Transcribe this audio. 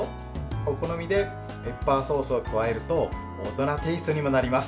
お好みでペッパーソースを加えると大人テイストにもなります。